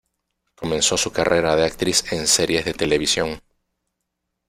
Comenzó su carrera de actriz en series de televisión.